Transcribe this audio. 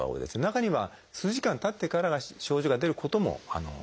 中には数時間たってから症状が出ることもあります。